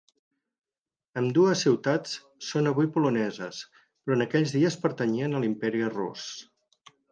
Ambdues ciutats són avui poloneses però en aquells dies pertanyien a l'Imperi rus.